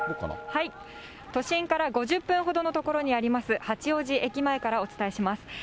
都心から５０分ほどの所にあります、八王子駅前からお伝えします。